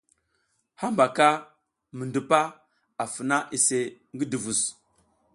Hambaka mi ndupa a funa iseʼe ngi duvus.